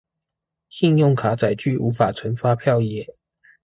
信用卡載具無法存發票耶